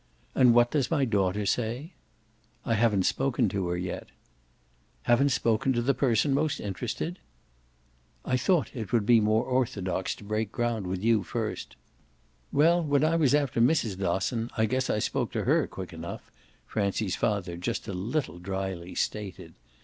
And what does my daughter say?" "I haven't spoken to her yet." "Haven't spoken to the person most interested?" "I thought it more orthodox to break ground with you first." "Well, when I was after Mrs. Dosson I guess I spoke to her quick enough," Francie's father just a little dryly stated.